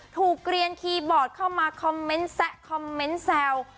เกลียนคีย์บอร์ดเข้ามาคอมเมนต์แซะคอมเมนต์แซว